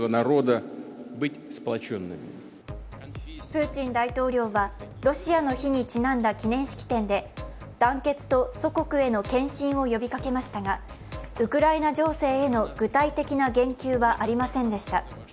プーチン大統領はロシアの日にちなんだ記念式典で団結と祖国への献身を呼びかけましたが、ウクライナ情勢への具体的な言及はありませんでした。